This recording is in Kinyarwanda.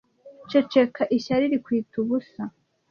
ceceka ishyari rikwita ubusa